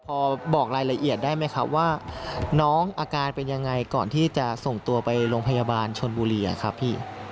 พอบอกรายละเอียดได้ไหมครับว่าน้องอาการเป็นยังไงก่อนที่จะส่งตัวไปโรงพยาบาลชนบุรีครับพี่